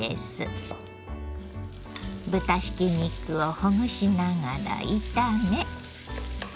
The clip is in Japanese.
豚ひき肉をほぐしながら炒め。